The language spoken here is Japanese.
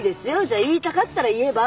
じゃあ言いたかったら言えば？